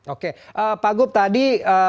oke pak gop tadi